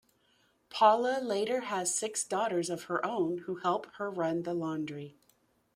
Paula later has six daughters of her own who help her run the laundry.